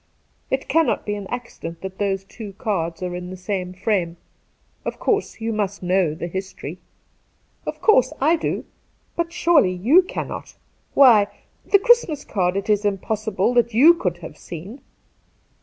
It cannot be an accident that those two cards are in the same frame. Of course, you must know the history ?'' Of course, I do ; but surely you cannot ; why, the Christmas card it is impossible that you could have seen.'